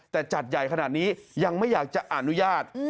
แต่จัดใหญ่ขนาดนี้ยังไม่อยากจะอนุญาต